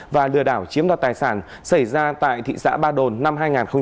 và lừa đảo chiếm đoạt tài sản xảy ra tại thị xã ba đồn năm hai nghìn một mươi tám